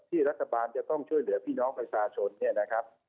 รัฐบาลจะต้องช่วยเหลือพี่น้องประชาชนเนี่ยนะครับ